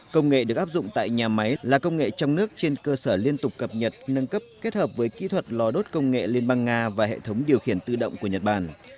công nghệ được áp dụng tại nhà máy là công nghệ trong nước trên cơ sở liên tục cập nhật nâng cấp kết hợp với kỹ thuật lò đốt công nghệ liên bang nga và hệ thống điều khiển tự động của nhật bản